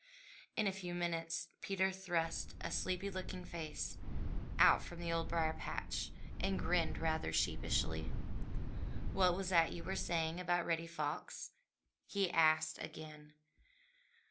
In a few minutes Peter thrust a sleepy looking face out from the Old Briar patch and grinned rather sheepishly. "What was that you were saying about Reddy Fox?" he asked again.